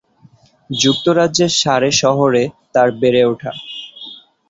যুক্তরাজ্যের সারে শহরে তার বেড়ে ওঠা।